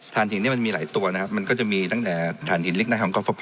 ฐานถิ่นเนี่ยมันมีหลายตัวนะครับมันก็จะมีตั้งแต่ฐานถิ่นลิกไนท์ของก็พอพอ